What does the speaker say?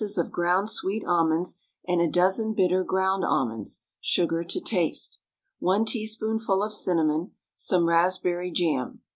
of ground sweet almonds and a dozen bitter ground almonds, sugar to taste, 1 teaspoonful of cinnamon, some raspberry jam.